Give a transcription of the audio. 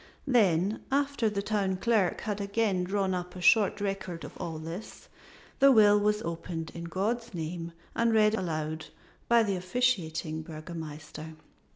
Then after the Town Clerk had again drawn up a short record of all this the will was opened in God's name and read aloud by the officiating Burgomaster.